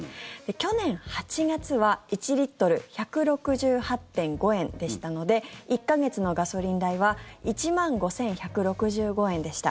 去年８月は１リットル１６８．５円でしたので１か月のガソリン代は１万５１６５円でした。